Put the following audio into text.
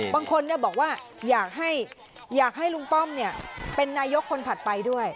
บางคนบอกว่าอยากให้ลุงป้อมเป็นนายกคนถัดไปด้วย